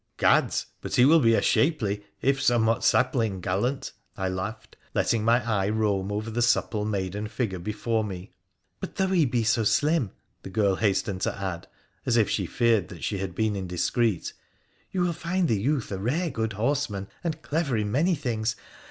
' Gads ! but he will be a shapely, if somewhat sapling gallant,' I laughed, letting my eye roam over the supple maiden figure before me. ' But though he be so slim,' the girl hastened to add, as if she feared she had been indiscreet, ' you will find the youth a rare good horseman, and clever in many things.